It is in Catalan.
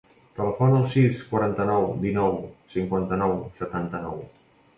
Telefona al sis, quaranta-nou, dinou, cinquanta-nou, setanta-nou.